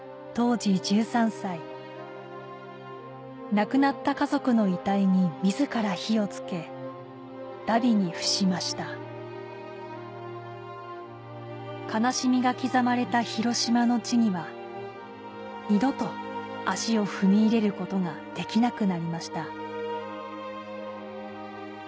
亡くなった家族の遺体に自ら火を付け荼毘に付しました悲しみが刻まれた広島の地には二度と足を踏み入れることができなくなりました